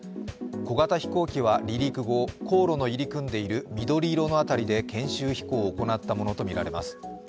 小型飛行機は離陸後、航路の入り組んでいる緑色の辺りで研修飛行を行ったものとみられます。